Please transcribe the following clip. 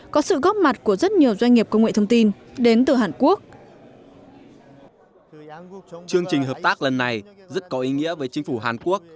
rất có ý nghĩa với chính phủ hàn quốc